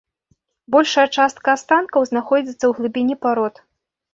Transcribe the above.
Большая частка астанкаў знаходзіцца ў глыбіні парод.